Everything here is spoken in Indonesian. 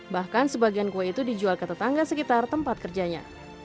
bahkan sebagian kue itu dijual ke tetangga sekitar tempat kerjanya